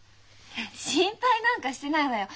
心配なんかしてないわよ。